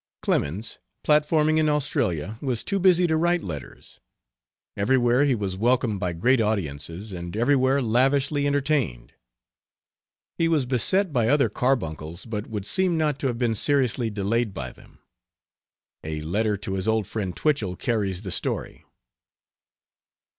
Clemens, platforming in Australia, was too busy to write letters. Everywhere he was welcomed by great audiences, and everywhere lavishly entertained. He was beset by other carbuncles, but would seem not to have been seriously delayed by them. A letter to his old friend Twichell carries the story.